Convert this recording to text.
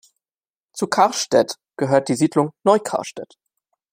Zu Karstädt gehört die Siedlung Neu Karstädt.